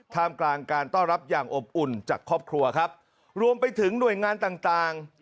กลางการต้อนรับอย่างอบอุ่นจากครอบครัวครับรวมไปถึงหน่วยงานต่างต่าง